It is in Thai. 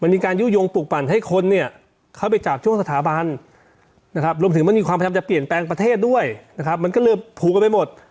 มีคนเอาเรื่องนี้มาใช้นะครับ